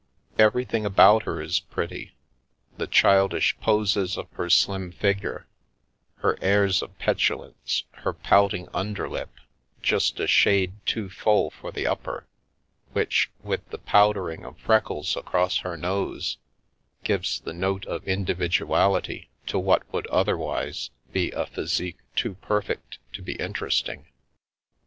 Everything about her is pretty — the childish poses of her slim figure, her airs of petulance, her pouting under lip, just a shade too full for the upper, which, with the powdering of freckles across her nose, gives the note of individuality to what would otherwise be a physique too perfect to be interesting.